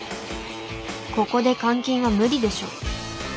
ここで監禁は無理でしょ。